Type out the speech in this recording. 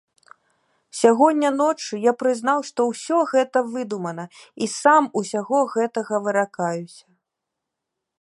Сягоння ноччу я прызнаў, што ўсё гэта выдумана, і сам усяго гэтага выракаюся.